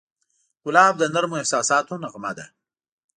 ګلاب د نرمو احساساتو نغمه ده.